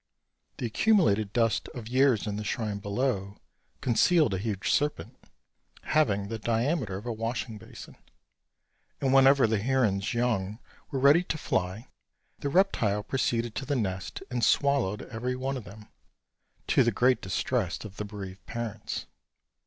The accumulated dust of years in the shrine below concealed a huge serpent, having the diameter of a washing basin; and whenever the heron's young were ready to fly, the reptile proceeded to the nest and swallowed every one of them, to the great distress of the bereaved parents.